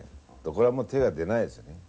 これはもう手が出ないですよね。